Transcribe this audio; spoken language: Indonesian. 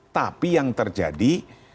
tapi yang terjadi